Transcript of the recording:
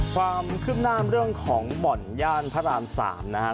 ความคืบหน้าเรื่องของบ่อนย่านพระราม๓นะครับ